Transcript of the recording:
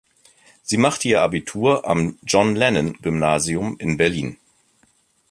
Sie machte ihr Abitur am John-Lennon-Gymnasium in Berlin.